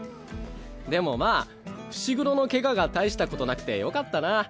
でもまあ伏黒のケガが大したことなくてよかったな。